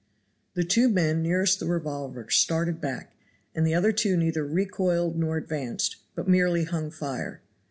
The two men nearest the revolver started back, the other two neither recoiled nor advanced, but merely hung fire.